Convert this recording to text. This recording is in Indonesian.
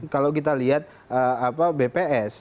kalau kita lihat bps